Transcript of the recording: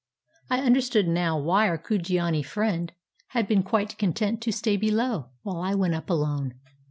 I understood now why our Kujiani friend had been quite content to stay below, while I went up alone.